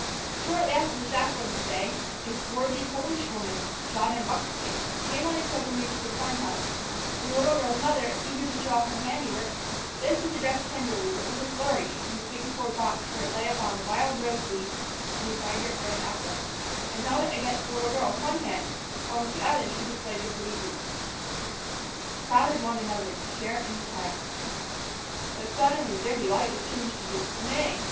Shortly after the chaplain's stay, a swarthy Polish woman, shod in buckskin, came on a pilgrimage to the farm house, and the little girl's mother, eager to show her handiwork, lifted the dress tenderly, but with a flourish, from the pasteboard box where it lay upon wild rose leaves and a fragrant red apple, and held it against the little girl with one hand, while with the other she displayed the pretty boots. The big brothers, hurrying from the barn yard, crowded one another to share in the triumph. But suddenly their delight was changed to dismay.